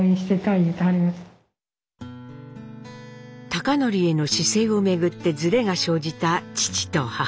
貴教への姿勢をめぐってずれが生じた父と母。